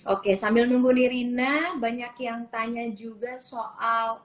oke sambil nunggu nirina banyak yang tanya juga soal